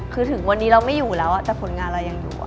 คือถึงวันนี้เราไม่อยู่แล้วแต่ผลงานเรายังอยู่